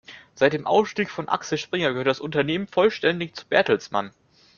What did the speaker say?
Seit dem Ausstieg von Axel Springer gehört das Unternehmen vollständig zu Bertelsmann.